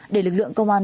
để lực lượng công an